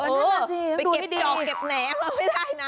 โอ้โฮไปเก็บจองเก็บแนะมาไม่ได้นะ